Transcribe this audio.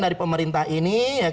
dari pemerintah ini